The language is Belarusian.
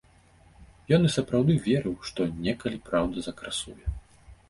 Ён і сапраўды верыў, што некалі праўда закрасуе.